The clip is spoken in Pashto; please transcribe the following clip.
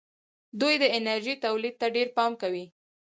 دوی د انرژۍ تولید ته ډېر پام کوي.